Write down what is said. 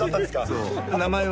そう。